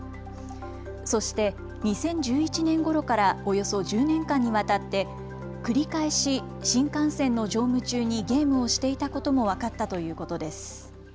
そして２０１１年ごろからおよそ１０年間にわたって繰り返し、新幹線の乗務中にゲームをしていたことも分かったということです。